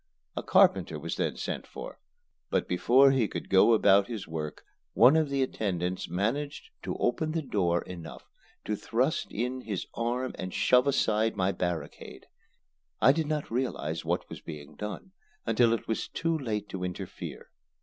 A carpenter was then sent for, but before he could go about his work one of the attendants managed to open the door enough to thrust in his arm and shove aside my barricade. I did not realize what was being done until it was too late to interfere.